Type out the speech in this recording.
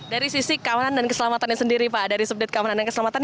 dari sisi keamanan dan keselamatannya sendiri pak dari subdit keamanan dan keselamatan